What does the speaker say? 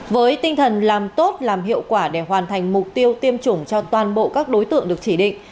với tinh thần làm tốt làm hiệu quả để hoàn thành mục tiêu tiêm chủng cho toàn bộ các đối tượng được chỉ định